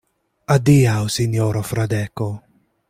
Adiaŭ, sinjoro Fradeko.